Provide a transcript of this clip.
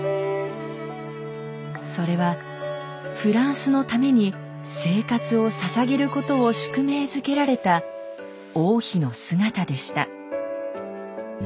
それはフランスのために生活をささげることを宿命づけられた王妃の姿でした。